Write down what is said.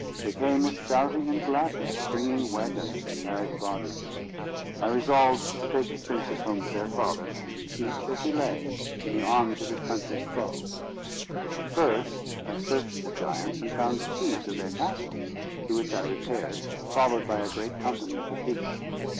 They came with shouting and gladness, bringing waggons to carry the bodies. I resolved to take the princes home to their father, each as he lay, in the arms of his country's foe. But first I searched the giants, and found the keys of their castle, to which I repaired, followed by a great company of the people.